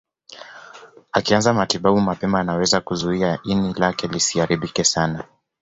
Akianza matibabu mapema anaweza kuzuia ini lake lisiharibike sana